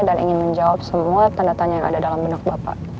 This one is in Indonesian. dan ingin menjawab semua tanda tanya yang ada dalam benak bapak